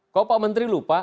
kok pak menteri lupa